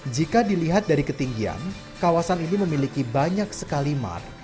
jika dilihat dari ketinggian kawasan ini memiliki banyak sekali mar